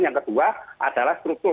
yang kedua adalah struktur